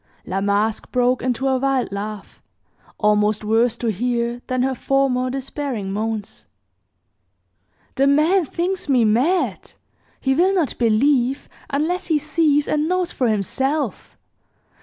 La Masque broke into a wild laugh, almost worse to hear than her former despairing moans. "The man thinks me mad! He will not believe, unless he sees and knows for himself!